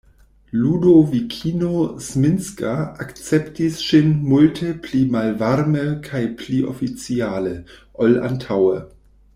Ludovikino Zminska akceptis ŝin multe pli malvarme kaj pli oficiale, ol antaŭe.